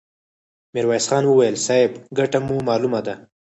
ميرويس خان وويل: صيب! ګټه مو مالومه ده!